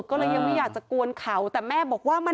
คุณแม่ก็ว่าจะคุยกับเขา